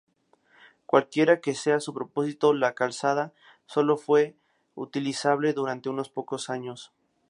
Cualquiera que sea su propósito, la calzada sólo fue utilizable durante unos pocos años.